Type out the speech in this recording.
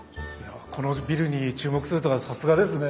このビルに注目するとはさすがですね。